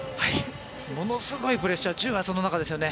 ものすごいプレッシャー重圧の中ですよね。